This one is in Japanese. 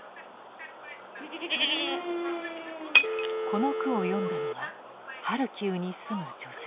この句を詠んだのはハルキウに住む女性でした。